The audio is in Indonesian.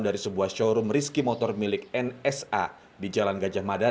dari sebuah showroom riski motor milik nsa di jalan gajah mada